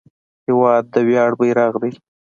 هېواد د ویاړ بیرغ دی.